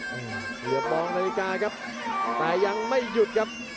เกือบมองนาฬิกาครับแต่ยังไม่หยุดครับ